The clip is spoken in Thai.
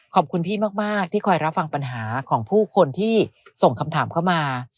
ขอบคุณพี่มากที่คอยรับฟังปัญหาของผู้คนที่ส่งคำถามเข้ามา